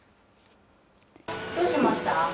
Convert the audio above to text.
どうしました？